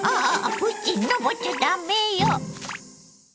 プチのぼっちゃダメよ！